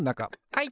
はい！